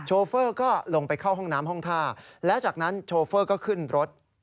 โฟก็ลงไปเข้าห้องน้ำห้องท่าแล้วจากนั้นโชเฟอร์ก็ขึ้นรถ